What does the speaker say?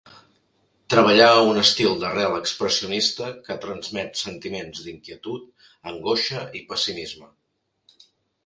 Treballà un estil d'arrel expressionista que transmet sentiments d'inquietud, angoixa i pessimisme.